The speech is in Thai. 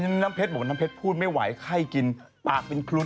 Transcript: แล้วคล้ายแบบ๕๐บอกว่าน้ำเพชรพูดไม่ไหวไข้กินปากเป็นคลุ้ด